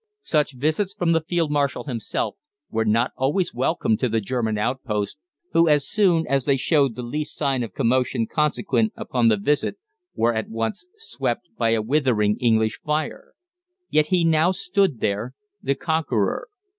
Such visits from the Field Marshal himself were not always welcome to the German outposts, who, as soon as they showed the least sign of commotion consequent upon the visit, were at once swept by a withering English fire. Yet he now stood there the conqueror.